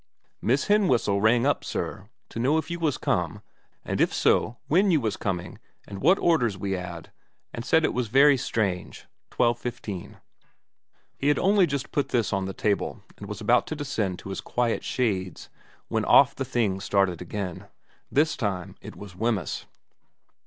Miss Henwissel rang up sir to know if you was come and if so when you was coming and what orders we ad and said it was very strange 12.15. He had only just put this on the table and was about to descend to his quiet shades when off the thing started again. This time it was Wemyss.